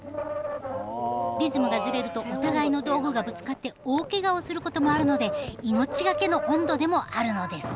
リズムがずれるとお互いの道具がぶつかって大ケガをすることもあるので命懸けの音頭でもあるのです。